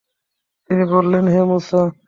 তিনি বললেনঃ হে মূসা!